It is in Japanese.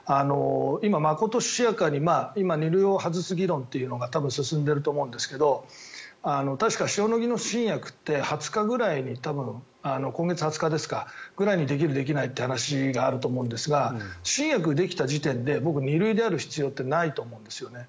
今、まことしやかに２類を外す議論というのが進んでいると思うんですが確か、塩野義の新薬って多分、今月２０日ぐらいにできるできないという話があると思うんですが新薬ができた時点で僕は２類である必要ってないと思うんですね。